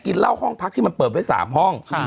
เหล้าห้องพักที่มันเปิดไว้๓ห้อง